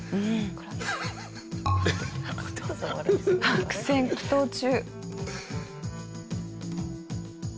悪戦苦闘中。